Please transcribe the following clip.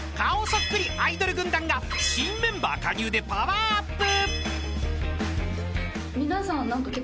そっくりアイドル軍団が新メンバー加入でパワーアップ！］